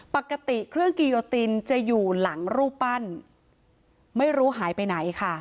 ปกติเครื่องกิโยตินจะอยู่หลังรูปปั้นไม่รู้หายไปไหนค่ะ